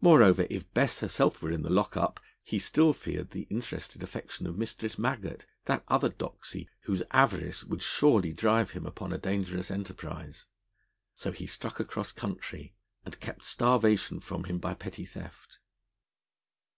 Moreover, if Bess herself were in the lock up, he still feared the interested affection of Mistress Maggot, that other doxy, whose avarice would surely drive him upon a dangerous enterprise; so he struck across country, and kept starvation from him by petty theft.